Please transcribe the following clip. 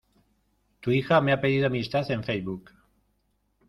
Tu hija me ha pedido amistad en Facebook.